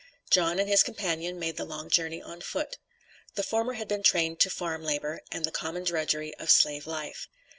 John and his companion made the long journey on foot. The former had been trained to farm labor and the common drudgery of slave life.